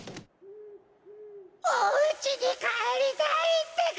おうちにかえりたいってか！